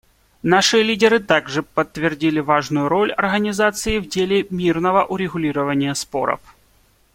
Наши лидеры также подтвердили важную роль Организации в деле мирного урегулирования споров.